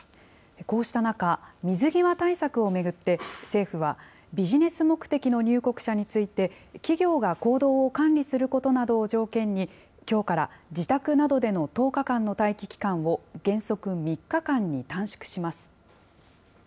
こうした中、水際対策を巡って、政府はビジネス目的の入国者について、企業が行動を管理することなどを条件に、きょうから自宅などでの１０日間の待機期間を原則３日間に短縮します。